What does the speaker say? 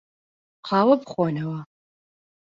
قاوە بخۆنەوە.